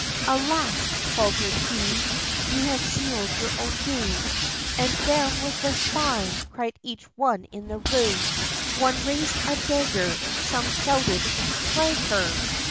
'Alas,' faltered he, 'you have seal'd your own doom!' And 'Down with the spy!' cried each one in the room; One raised a dagger, Some shouted 'Scrag her!'